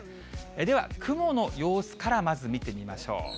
では、雲の様子から、まず見てみましょう。